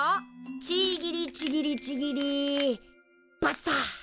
ちぎりちぎりちぎりバッサ！